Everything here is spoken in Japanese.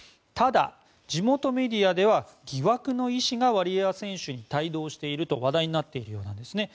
ただ、地元メディアでは疑惑の医師がワリエワ選手に帯同していると話題になっているんです。